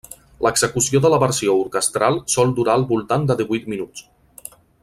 L'execució de la versió orquestral sol durar al voltant de divuit minuts.